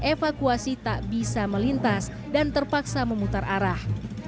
evakuasi tak bisa melintas dan terpaksa memutar arah